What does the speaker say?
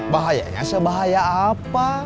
bahayanya sebahaya apa